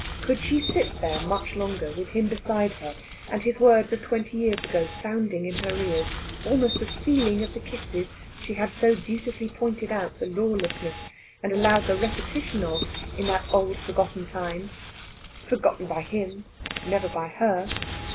Could she sit there much longer; with him beside her, and his words of twenty years ago sounding in her ears; almost the feeling of the kisses she had so dutifully pointed out the lawlessness, and allowed the repetition of, in that old forgotten time forgotten by him, never by her!